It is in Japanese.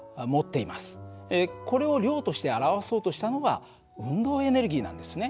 これを量として表そうとしたのが運動エネルギーなんですね。